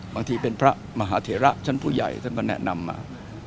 บางทีเป็นพระมหาเถระชั้นผู้ใหญ่ท่านก็แนะนำมา